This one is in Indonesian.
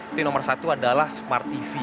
itu yang nomor satu adalah smart tv